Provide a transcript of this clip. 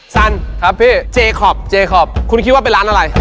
ซั่นเจคอพคุณคิดว่าเป็นร้านอะไร